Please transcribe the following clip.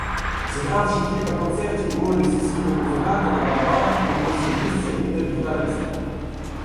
Зігравши кілька концертів у ролі сесійного музиканта на барабанах, він посів місце лідер-гітариста.